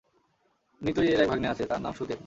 নিতইয়ের এক ভাগ্নে আছে, তার নাম সুদেব।